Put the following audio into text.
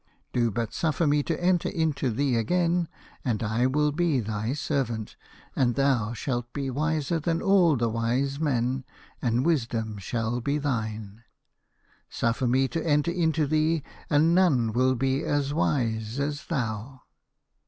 Do but suffer me to enter into thee again and be thy servant, and thou shalt be wiser than all the wise men, and Wisdom shall be thine. Suffer me to enter into thee, and none will be as wise as thou."